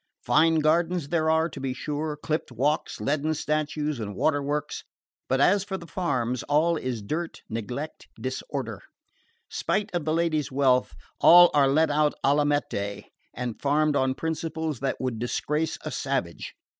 Fine gardens there are, to be sure, clipt walks, leaden statues, and water works; but as for the farms, all is dirt, neglect, disorder. Spite of the lady's wealth, all are let out alla meta, and farmed on principles that would disgrace a savage.